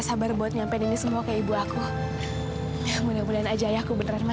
sampai jumpa di video selanjutnya